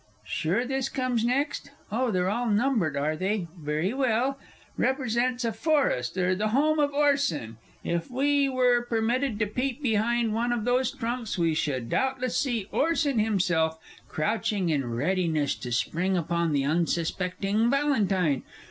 Sure this comes next? Oh, they're all numbered, are they? Very well represents a forest er the home of Orson. If we were permitted to peep behind one of those trunks, we should doubtless see Orson himself, crouching in readiness to spring upon the unsuspecting Valentine.